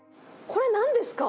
これ、なんですか？